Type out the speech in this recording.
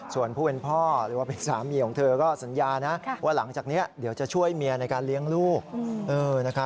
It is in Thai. ส่วนผู้เป็นพ่อหรือว่าเป็นสามีของเธอก็สัญญานะว่าหลังจากนี้เดี๋ยวจะช่วยเมียในการเลี้ยงลูก